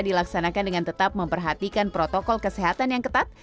dilaksanakan dengan tetap memperhatikan protokol kesehatan yang ketat